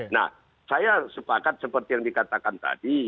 nah saya sepakat seperti yang dikatakan tadi